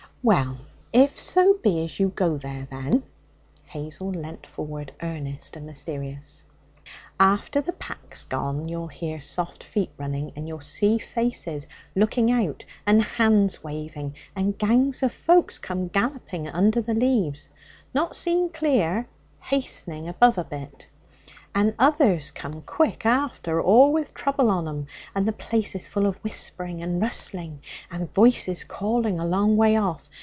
'Well, if so be you go there, then' Hazel leant forward, earnest and mysterious 'after the pack's gone you'll hear soft feet running, and you'll see faces look out and hands waving. And gangs of folks come galloping under the leaves, not seen clear, hastening above a bit. And others come quick after, all with trouble on 'em. And the place is full of whispering and rustling and voices calling a long way off.